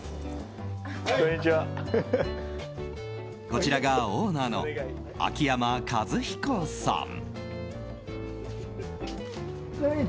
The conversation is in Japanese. こちらがオーナーの秋山和彦さん。